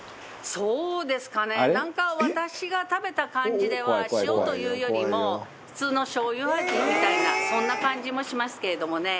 なんか私が食べた感じでは塩というよりも普通のしょうゆ味みたいなそんな感じもしますけれどもね。